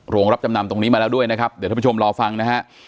โรงรับจำนำตรงนี้มาแล้วด้วยนะครับเดี๋ยวท่านผู้ชมรอฟังนะฮะ